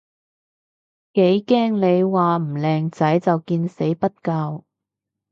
幾驚你話唔靚仔就見死不救